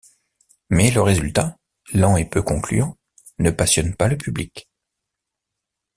Mais le résultat, lent et peu concluant, ne passionne pas le public.